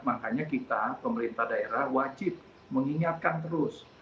makanya kita pemerintah daerah wajib mengingatkan terus